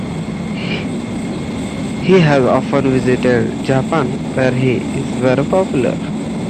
He has often visited Japan where he is very popular.